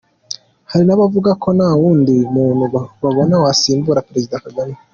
Hari n’abavuga ko nta wundi muntu babona wasimbura Perezida Kagame.